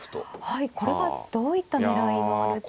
はいこれはどういった狙いがある手ですか。